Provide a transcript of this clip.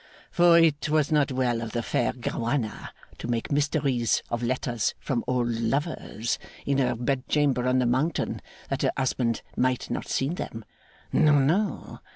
For it was not well of the fair Gowana to make mysteries of letters from old lovers, in her bedchamber on the mountain, that her husband might not see them. No, no.